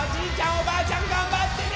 おばあちゃんがんばってね！